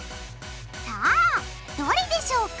さあどれでしょうか？